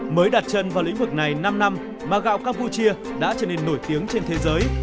mới đặt chân vào lĩnh vực này năm năm mà gạo campuchia đã trở nên nổi tiếng trên thế giới